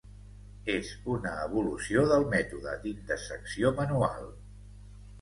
És una evolució del mètode d'indexació manual.